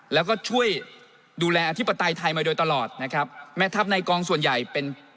แล้วก็ช่วยดูแลอธิปไตยไทยมาโดยตลอดนะครับแม่ทัพในกองส่วนใหญ่เป็น